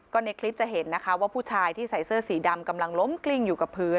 ก็ในคลิปจะเห็นนะคะว่าผู้ชายที่ใส่เสื้อสีดำกำลังล้มกลิ้งอยู่กับพื้น